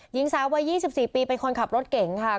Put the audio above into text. หญิงสาววัย๒๔ปีเป็นคนขับรถเก่งค่ะ